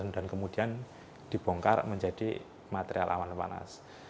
dan kemudian dibongkar menjadi material awan panas